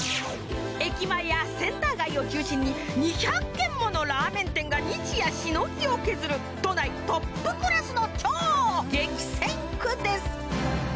駅前やセンター街を中心に２００軒ものラーメン店が日夜しのぎを削る都内トップクラスの超激戦区です。